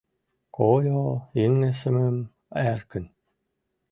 Кольо йыҥысымым эркын...